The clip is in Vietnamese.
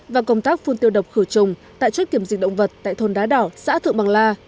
và công tác phun tiêu độc khử trùng tại chốt kiểm dịch động vật tại thôn đá đỏ xã thượng bằng la